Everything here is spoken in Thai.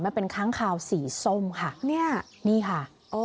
มันเป็นค้างคาวสีส้มค่ะเนี่ยนี่ค่ะโอ้